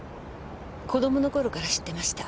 子供の頃から知ってました。